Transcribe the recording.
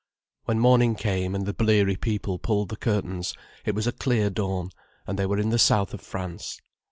When morning came, and the bleary people pulled the curtains, it was a clear dawn, and they were in the south of France.